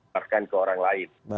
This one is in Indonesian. barkan ke orang lain